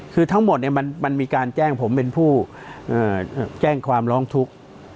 คือทั้งหมดมันมีการแจ้งผมเป็นผู้แจ้งความร้องทุกข์